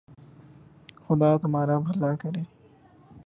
خدا تمہارر بھلا کرے